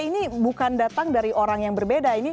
ini bukan datang dari orang yang berbeda